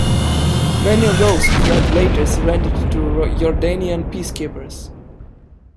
Many of those who fled later surrendered to Jordanian peacekeepers.